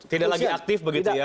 tidak lagi aktif begitu ya